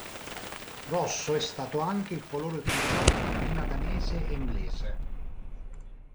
Rosso è stato anche il colore utilizzato dalla marina Danese e inglese.